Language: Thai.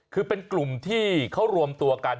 คือเป็นกลุ่มที่เขารวมตัวกัน